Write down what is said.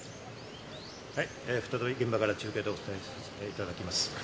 再び現場から中継でお伝えさせていただきます。